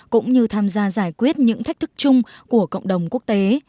cũng như tham gia giải quyết những thách thức chung của cộng đồng quốc tế